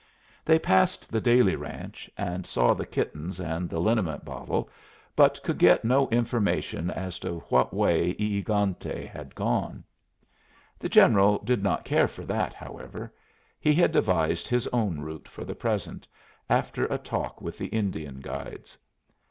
They passed the Dailey ranch, and saw the kittens and the liniment bottle, but could get no information as to what way E egante had gone. The General did not care for that, however; he had devised his own route for the present, after a talk with the Indian guides.